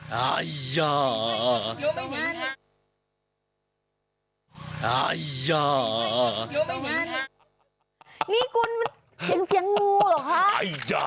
นี่กุลมันเหมือนเสียงงูหรอกคะ